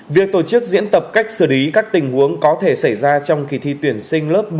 việc tổ chức diễn tập cách xử lý các tình huống có thể xảy ra trong kỳ thi tuyển sinh lớp một mươi